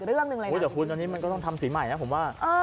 อุ้ยคุณสีทาบ้านอ่ะ